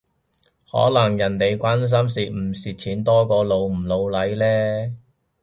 可能人哋關心蝕唔蝕錢多過老唔老嚟呢？